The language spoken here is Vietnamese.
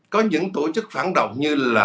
có những tổ chức phản độc như là